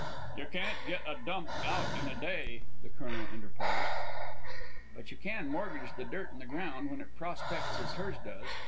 "You can't get a dump out in a day," the colonel interposed. "But you can mortgage the dirt in the ground when it prospects as hers does.